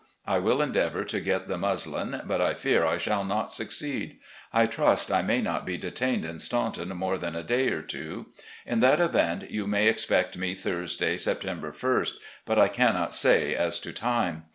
I ■will endeavour to get the muslin, but fear I shall not succeed. I trust I may not be detained in Staunton more than a day or two. In that event, you may expect me Thursday, September ist, but I cannot say as to time.